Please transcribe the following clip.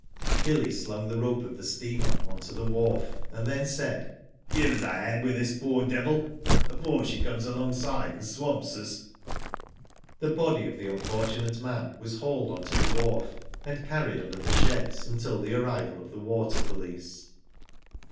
Billy slung the rope of the steamer on to the wharf, and then said : "Give us a hand with this poor devil, afore she comes alopgside and swamps us." The body of the unfortunate man was hauled pn to the wharf, and carried under the sheds until the arrival of the water police.